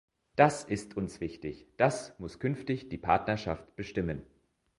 Das ist uns wichtig, das muss künftig die Partnerschaft bestimmen.